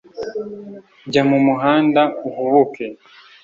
jya mumuhanda uhubuke